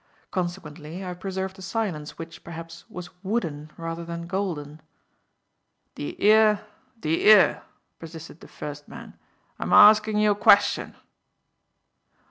Consequently, I preserved a silence which, perhaps, was wooden rather than golden. "D'ye 'ear?" persisted the first man. "I'm a arskin' you a question."